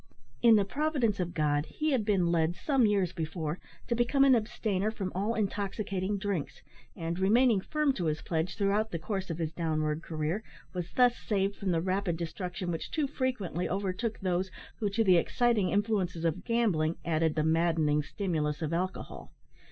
In the providence of God he had been led, some years before, to become an abstainer from all intoxicating drinks, and, remaining firm to his pledge throughout the course of his downward career, was thus saved from the rapid destruction which too frequently overtook those who to the exciting influences of gambling added the maddening stimulus of alcohol.